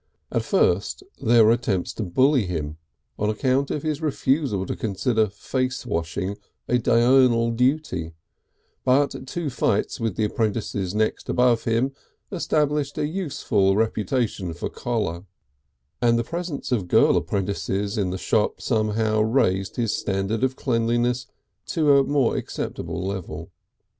At first there were attempts to bully him on account of his refusal to consider face washing a diurnal duty, but two fights with the apprentices next above him, established a useful reputation for choler, and the presence of girl apprentices in the shop somehow raised his standard of cleanliness to a more acceptable level.